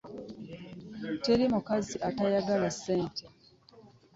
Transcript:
Teri mukazi atayagala ssente.